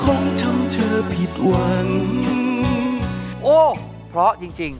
โอ้เพราะจริง